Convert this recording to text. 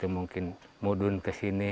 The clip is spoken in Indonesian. mungkin mudun ke sini